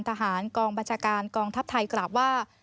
ทหารกองบัญชาการกองทัพไทยกล่าวว่า